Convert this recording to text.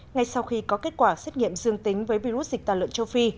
ngay sau khi có kết quả xét nghiệm dương tính với virus dịch tả lợn châu phi